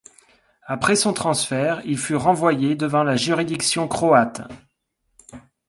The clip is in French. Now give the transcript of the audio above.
Après son transfert il fut renvoyé devant la juridiction croate.